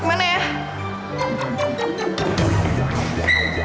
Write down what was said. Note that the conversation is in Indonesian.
aduh gimana ya